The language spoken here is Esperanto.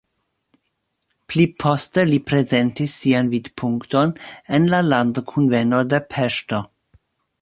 Pli poste li prezentis sian vidpunkton en la landkunveno de Peŝto.